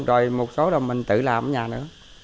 rồi một số mình tự làm ở nhà nữa